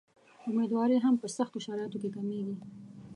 امیندواري هم په سختو شرایطو کې کمېږي.